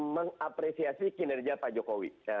mengapresiasi kinerja pak jokowi